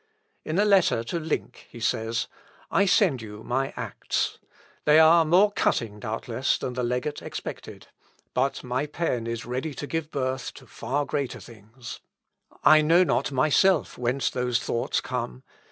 In a letter to Link he says, "I send you my Acts. They are more cutting, doubtless, than the legate expected; but my pen is ready to give birth to far greater things. I know not myself whence those thoughts come.